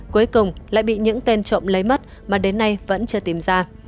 cuối cùng lại bị những tên trộm lấy mất mà đến nay vẫn chưa tìm ra